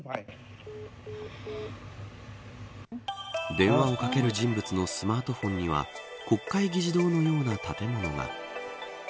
電話をかける人物のスマートフォンには国会議事堂のような建物が。